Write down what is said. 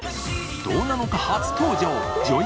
「どうなの課」初登場！